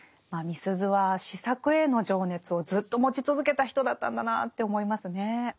まあみすゞは詩作への情熱をずっと持ち続けた人だったんだなって思いますね。